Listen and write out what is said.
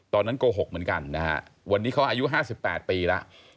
โกหกเหมือนกันนะฮะวันนี้เขาอายุ๕๘ปีแล้ว